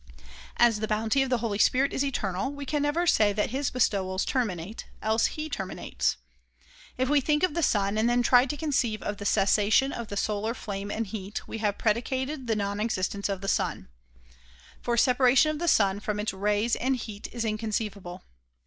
As the bounty of the Holy Spirit is eternal, we can never say that his bestowals terminate, else he terminates. If we think of the sun and then try to conceive of the cessation of the solar flame and heat, we have predicated the non existence of the sun. For separation of the sun from its rays and heat is inconceivable.